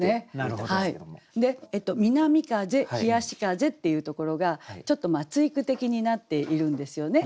「みなみ風」「ひやし風」っていうところがちょっと対句的になっているんですよね。